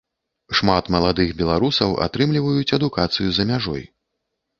Шмат маладых беларусаў атрымліваюць адукацыю за мяжой.